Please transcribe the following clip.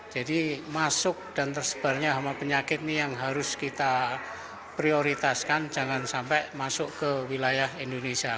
jadi masuk dan tersebarnya hama penyakit ini yang harus kita prioritaskan jangan sampai masuk ke wilayah indonesia